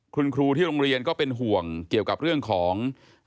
คุณครูที่โรงเรียนก็เป็นห่วงเกี่ยวกับเรื่องของ